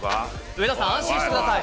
上田さん、安心してください。